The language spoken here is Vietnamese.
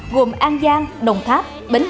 gồm an giang đồng tháp bến thánh